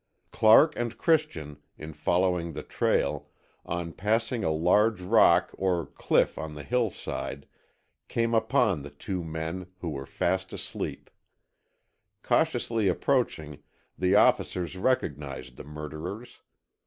Clark and Christian, in following the trail, on passing a large rock or cliff on the hillside, came upon the two men, who were fast asleep. Cautiously approaching, the officers recognized the murderers.